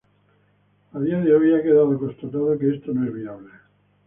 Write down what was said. A día de hoy ha quedado constatado que esto no es viable.